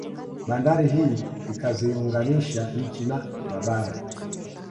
Bandari hii ikaziunganisha nchi na mabara